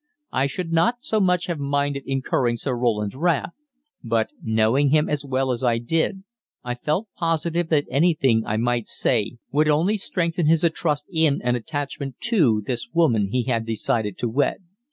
I should not so much have minded incurring Sir Roland's wrath, but, knowing him as well as I did, I felt positive that anything I might say would only strengthen his trust in and attachment to this woman he had decided to wed.